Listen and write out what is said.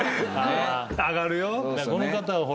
上がるよ。